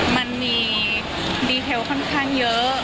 มันมีดีเทลค่อนข้างเยอะ